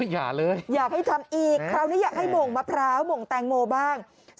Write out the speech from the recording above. อย่าเลยอยากให้ทำอีกคราวนี้อยากให้หม่งมะพร้าวหม่งแตงโมบ้าง